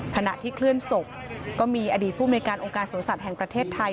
ขณะที่เคลื่อนศพก็มีอดีตภูมิในการองค์การสวนสัตว์แห่งประเทศไทย